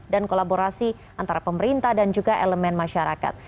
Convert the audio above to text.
dan kolaborasi antara pemerintah dan juga elemen masyarakat